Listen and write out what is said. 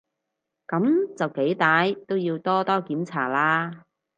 噉就幾歹都要多多檢查啦